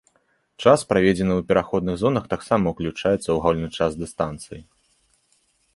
Час, праведзены ў пераходных зонах, таксама ўключаецца ў агульны час дыстанцыі.